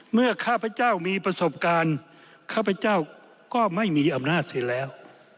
ข้าพเจ้ามีประสบการณ์ข้าพเจ้าก็ไม่มีอำนาจเสร็จแล้ว